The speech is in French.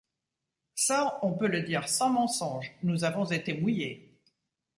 Ça, on peut le dire sans mensonges, nous avons été mouillés!